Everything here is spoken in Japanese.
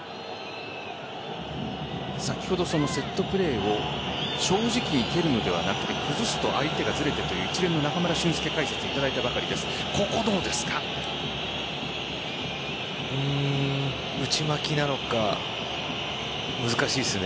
先ほどセットプレーを正直に蹴るのではなく崩すと相手がずれて一連の中村俊輔解説をいただいたばかりですが内巻きなのか難しいですね。